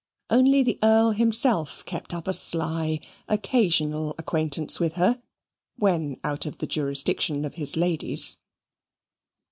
Only the Earl himself kept up a sly occasional acquaintance with her, when out of the jurisdiction of his ladies.